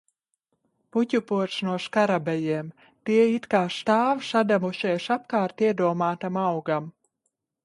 Puķupods no skarabejiem. Tie it kā stāv, sadevušies apkārt iedomātam augam.